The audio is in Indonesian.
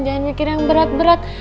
jangan mikir yang berat berat